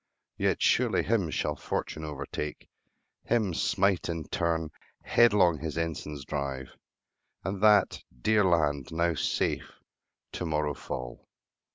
Yet surely him shall fortune overtake, Him smite in turn, headlong his ensigns drive; And that dear land, now safe, to morrow fall.